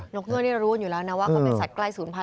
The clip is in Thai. กเงือกนี่รู้กันอยู่แล้วนะว่าเขาเป็นสัตว์ใกล้ศูนย์พันธ